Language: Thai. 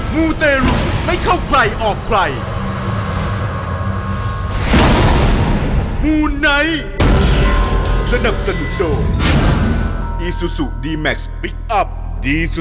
มูไนท์สนับสนุกโดยอีซูซูดีแม็กซ์พลิกอัพดีสุด